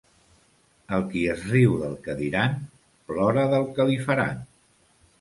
El qui es riu del que diran, plora del que li faran.